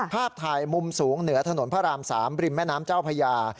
ภาพถ่ายมุมสูงเหนือถนนพระราม๓ริมแม่น้ำเจ้าพญา